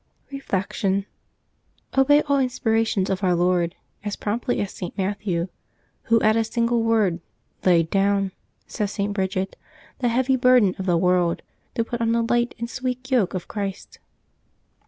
Reflection. — Obey all inspirations of Our Lord as promptly as St. Matthew, who, at a single word, " laid down,^' says St. Bridget, *^ the heavy burden of the world to put on the light and sweet yoke of Christ."